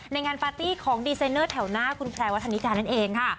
งานปาร์ตี้ของดีไซเนอร์แถวหน้าคุณแพรวัฒนิกานั่นเองค่ะ